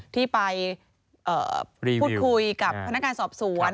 ที่ไปพูดคุยกับพนักงานสอบสวน